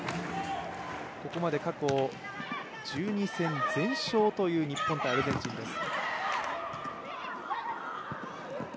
ここまで過去１２戦全勝という日本とアルゼンチンです。